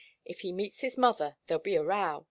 If he meets his mother, there'll be a row.